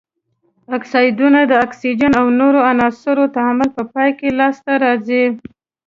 اکسایدونه د اکسیجن او نورو عناصرو تعامل په پایله کې لاس ته راځي.